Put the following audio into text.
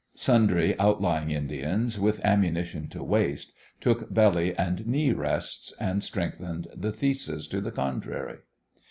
Sundry outlying Indians, with ammunition to waste, took belly and knee rests and strengthened the thesis to the contrary.